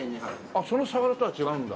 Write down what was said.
あっそのさわらとは違うんだ？